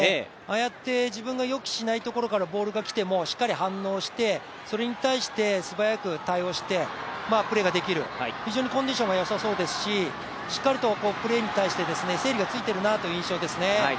ああやって自分が予期しないところからボールが来ても、しっかり反応して、それに対して素早く対応してプレーができる、非常にコンディションが良さそうですししっかりと、プレーに対して整理がついているなという印象ですね。